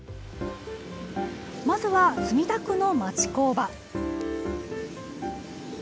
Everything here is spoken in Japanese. まずは、墨田区の町工場。